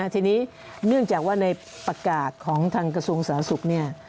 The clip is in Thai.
ทีนี้เนื่องจากว่าในประกาศของทางกระทรวงสถาสุข